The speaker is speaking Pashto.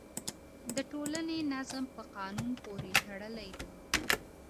د ټولني نظم په قانون پورې تړلی دی.